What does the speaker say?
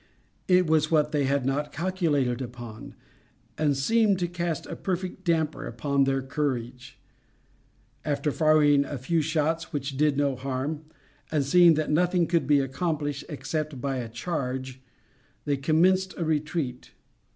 It was what they had not calculated upon and seemed to cast a perfect damper upon their courage. After firing a few shots which did no harm, and seeing that nothing could be accomplished except by a charge, they commenced a retreat.